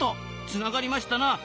つながりましたな。